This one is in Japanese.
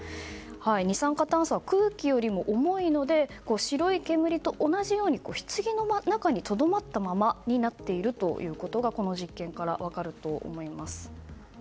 二酸化炭素は空気よりも重いので白い煙と同じように棺の中にとどまったままになっているということがこの実験から分かると思います。